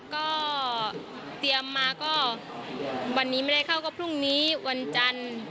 ก็เตรียมมาก็วันนี้ไม่ได้เข้าก็พรุ่งนี้วันจันทร์